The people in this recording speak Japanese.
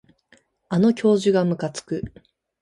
あの教授がむかつく